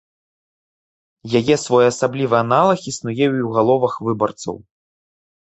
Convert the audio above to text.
Яе своеасаблівы аналаг існуе і ў галовах выбарцаў.